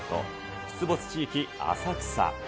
出没地域、浅草。